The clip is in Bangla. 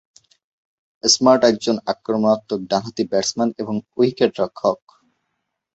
স্মার্ট একজন আক্রমণাত্মক ডানহাতি ব্যাটসম্যান এবং উইকেটরক্ষক।